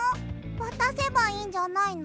わたせばいいんじゃないの？